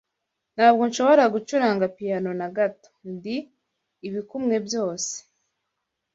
Ntabwo nshobora gucuranga piyano na gato. Ndi ibikumwe byose